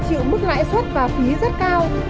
chịu mức lãi suất và phí rất cao